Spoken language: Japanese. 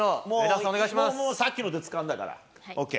もう、さっきのでつかんだから。